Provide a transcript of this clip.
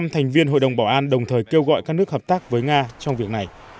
một mươi thành viên hội đồng bảo an đồng thời kêu gọi các nước hợp tác với nga trong việc này